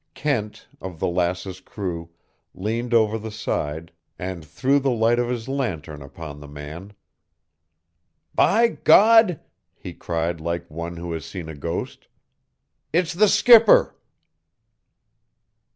Kent of the Lass's crew leaned over the side and threw the light of his lantern upon the man. "By God," he cried like one who has seen a ghost, "it's the skipper."